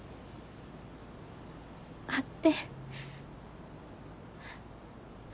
会って。